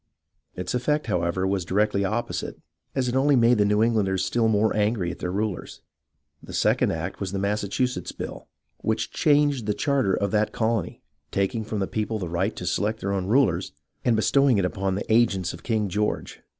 Its effect, however, was directly opposite, as it only made the New Englanders still more angry at their rulers. The second act was the Massachusetts Bill, which changed the charter of that colony, taking from the peo ple the right to select their own rulers, and bestowing it upon the agents of King George.